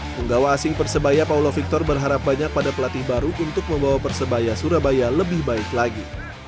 penggawa asing persebaya paulo victor berharap banyak pada pelatih baru untuk membawa persebaya surabaya lebih baik lagi